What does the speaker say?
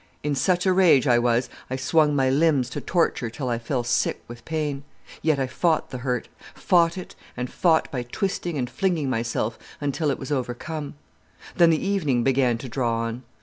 In such a rage I was I swung my limbs to torture till I fell sick with pain. Yet I fought the hurt, fought it and fought by twisting and flinging myself, until it was overcome. Then the evening began to draw on.